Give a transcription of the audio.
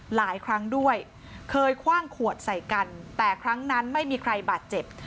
หลายครั้งด้วยเคยคว่างขวดใส่กันแต่ครั้งนั้นไม่มีใครบาดเจ็บ